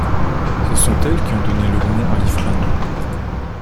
Ce sont elles qui ont donné leur nom à Ifrane.